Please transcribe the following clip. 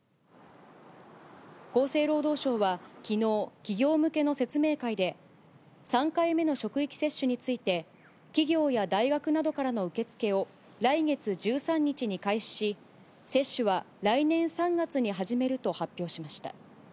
厚生労働省は、きのう、企業向けの説明会で、３回目の職域接種について、企業や大学などからの受け付けを来月１３日に開始し、接種は来年３月に始めると発表しました。